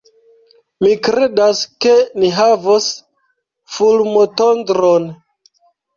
Mi kredas, ke ni havos fulmotondron.